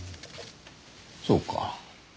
そうか。